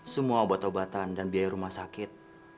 semua obat obatan dan biaya rumah sakit